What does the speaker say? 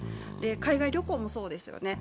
海外旅行もそうですよね。